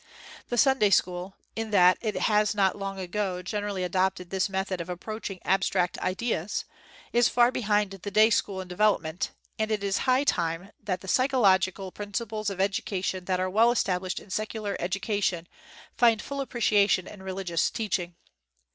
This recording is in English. The Sunday school, in that it has not long ago generally adopted this method of ap proaching abstract ideas, is far behind the day school in development, and it is high time that psychological principles of educa tion that are well established in secular ed ucation find full appreciation in religious teaching.